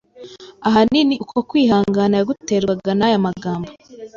ahanini uko kwihangana yaguterwaga na ya magambo